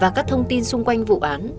và các thông tin xung quanh vụ án